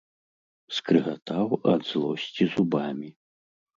Скрыгатаў ад злосці зубамі.